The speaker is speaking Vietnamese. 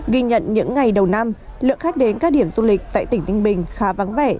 ghi nhận những ngày đầu năm lượng khách đến các điểm du lịch tại tỉnh ninh bình khá vắng vẻ